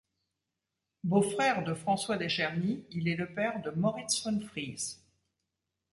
Beau-frère de François d'Escherny, il est le père de Moritz von Fries.